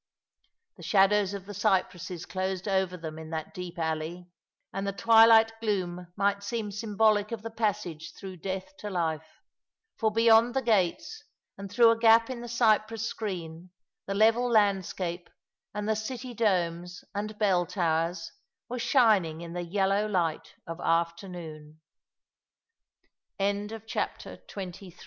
The shadows of the cypresses closed over them in that deep alley, and the twilight gloom might seem symboKo of the passage through death to life ; for beyond the gates, and through a gap in the cypress screen, the level landscape and the city domes and bell towers were shining in the yellow ligh